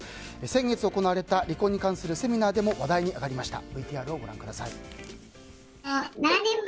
先月行われた離婚に関するセミナーでも話題に上がりました。